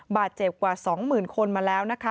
บาทเจ็บกว่าสองหมื่นคนมาแล้วนะคะ